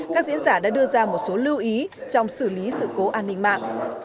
các diễn giả đã đưa ra một số lưu ý trong xử lý sự cố an ninh mạng